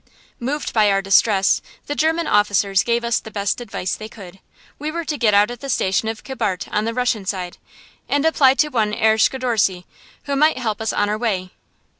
Moved by our distress, the German officers gave us the best advice they could. We were to get out at the station of Kibart on the Russian side, and apply to one Herr Schidorsky, who might help us on our way.